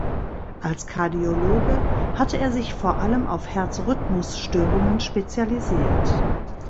Als Kardiologe hatte er sich vor allem auf Herzrhythmusstörungen spezialisiert.